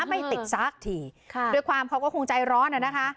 ไม่ติดสักทีค่ะด้วยความเขาก็คงใจร้อนอ่ะนะคะ